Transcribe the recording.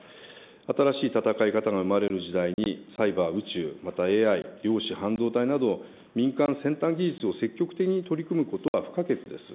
新しい戦い方が生まれる時代に、サイバー、宇宙、またＡＩ、量子半導体など、民間先端技術を積極的に取り組むことは不可欠です。